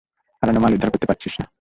হারানো মাল উদ্ধার করতে পারছিস না।